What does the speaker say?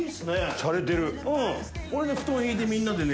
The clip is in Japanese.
しゃれてる。